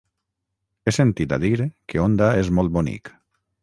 He sentit a dir que Onda és molt bonic.